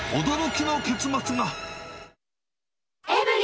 驚きの結末が。